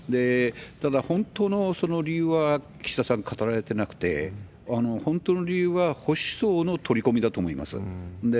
ただ、本当の理由は岸田さん語られてなくて、本当の理由は、保守層の取り込みだと思います。